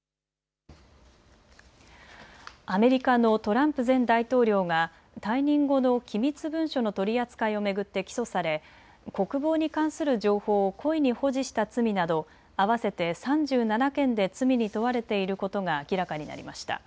アメリカのトランプ前大統領が退任後の機密文書の取り扱いを巡って起訴され国防に関する情報を故意に保持した罪など合わせて３７件で罪に問われていることが明らかになりました。